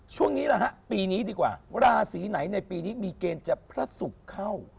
ช่วงนี้แหละฮะปีนี้ดีกว่าราศีไหนในปีนี้มีเกณฑ์จะพระศุกร์เข้า